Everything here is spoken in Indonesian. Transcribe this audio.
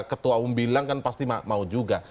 ketua umum bilang kan pasti mau juga